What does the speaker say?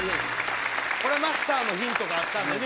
これはマスターのヒントがあったんでね